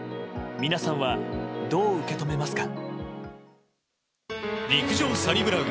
皆さんはどう受け止めますか？